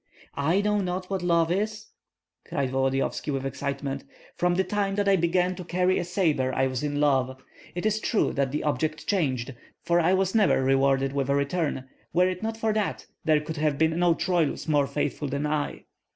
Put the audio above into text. "I know not what love is?" cried Volodyovski, with excitement. "From the time that I began to carry a sabre I was in love. It is true that the object changed, for I was never rewarded with a return. Were it not for that, there could have been no Troilus more faithful than I."